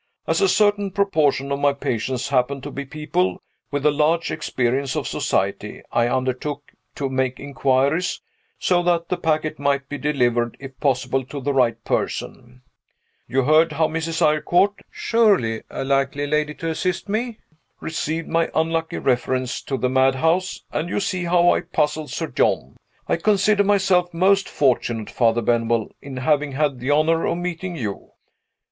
As a certain proportion of my patients happen to be people with a large experience of society, I undertook to make inquiries, so that the packet might be delivered, if possible, to the right person. You heard how Mrs. Eyrecourt (surely a likely lady to assist me?) received my unlucky reference to the madhouse; and you saw how I puzzled Sir John. I consider myself most fortunate, Father Benwell, in having had the honor of meeting you.